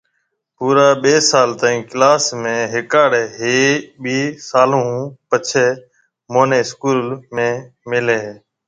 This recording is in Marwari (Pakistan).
پورا ٻي سال تائين ڪلاس ۾ هِيکاڙي هيَ ٻي سالون هون پڇي مهونَي اسڪول ۾ ملي هيَ